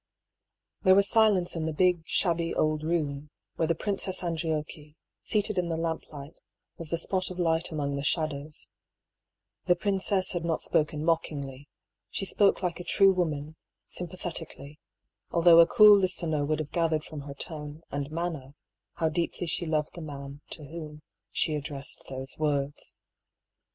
There was silence in the big, shabby old room, where the Princess Andriocchi, seated in the lamplight, was the spot of light among the shadows. The princess had not spoken mockingly; she spoke like a true woman, sympathetically, although a cool listener would have gathered from her tone and manner how deeply she loved the man to whom she addressed those words.